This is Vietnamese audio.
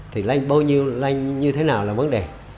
thì lên bao nhiêu lên như thế nào là vấn đề